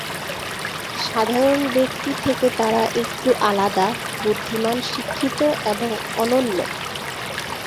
সাধারণ ব্যক্তি থেকে তারা একটু আলাদা, বুদ্ধিমান, শিক্ষিত এবং অনন্য।